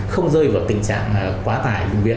không rơi vào tình trạng quá tải